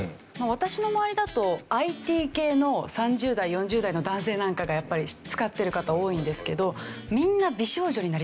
私の周りだとＩＴ系の３０代４０代の男性なんかがやっぱり使ってる方多いんですけど。